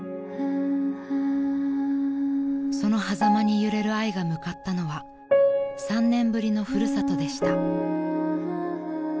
［そのはざまに揺れるあいが向かったのは３年ぶりの古里でした］